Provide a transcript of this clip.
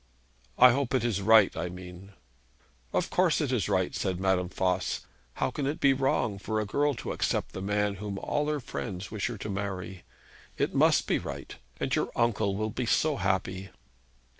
'I hope it is right, I mean.' 'Of course it is right' said Madame Voss. 'How can it be wrong for a girl to accept the man whom all her friends wish her to marry? It must be right. And your uncle will be so happy.'